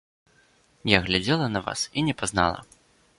Я глядзела на вас і не пазнала.